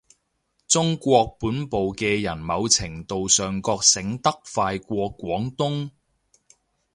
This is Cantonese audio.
中國本部嘅人某程度上覺醒得快過廣東